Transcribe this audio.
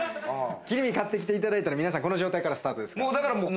切り身買ってきていただいたら、皆さん、この状態からスタートですから。